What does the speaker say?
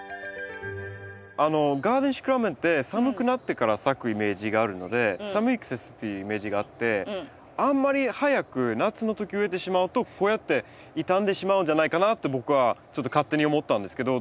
ガーデンシクラメンって寒くなってから咲くイメージがあるので寒い季節っていうイメージがあってあんまり早く夏の時植えてしまうとこうやって傷んでしまうんじゃないかなと僕はちょっと勝手に思ったんですけど。